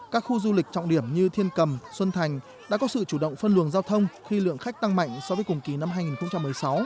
các khu du lịch trọng điểm như thiên cầm xuân thành đã có sự chủ động phân luồng giao thông khi lượng khách tăng mạnh so với cùng kỳ năm hai nghìn một mươi sáu